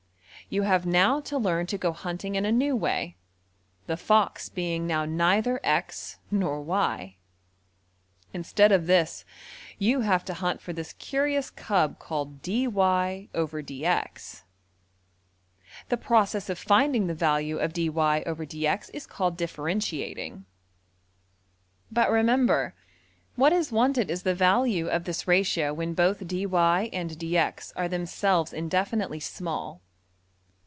You have now to learn to go hunting in a new way; the fox being now neither $x$ nor~$y$. Instead of this you have to hunt for this curious cub called~$\dfrac{dy}{dx}$. The process of finding the value of~$\dfrac{dy}{dx}$ is called ``differentiating.'' But, remember, what is wanted is the value of this ratio when both $dy$~and~$dx$ are themselves indefinitely small.